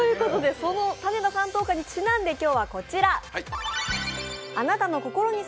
その種田山頭火にちなんで今日はこちら。